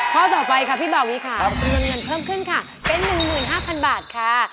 ข้อต่อไปค่ะพี่บ่าวีค่ะจำนวนเงินเพิ่มขึ้นค่ะเป็น๑๕๐๐บาทค่ะ